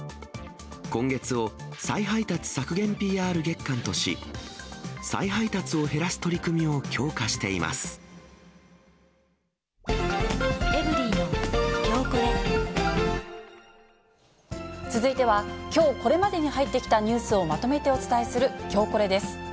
今月を、再配達削減ＰＲ月間とし、再配達を減らす取り組みを強化していま続いてはきょうこれまでに入ってきたニュースをまとめてお伝えするきょうコレです。